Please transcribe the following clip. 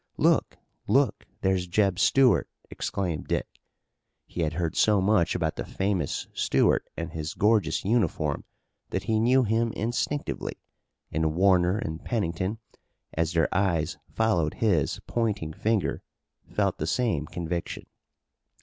"Look! look! There's Jeb Stuart!" exclaimed Dick. He had heard so much about the famous Stuart and his gorgeous uniform that he knew him instinctively, and, Warner and Pennington, as their eyes followed his pointing finger felt the same conviction.